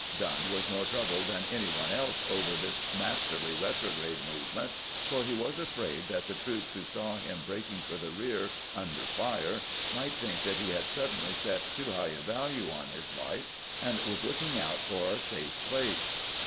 Dunn was more troubled than any one else over this masterly retrograde movement, for he was afraid that the troops who saw him breaking for the rear under fire might think that he had suddenly set too high a value on his life, and was looking out for a safe place.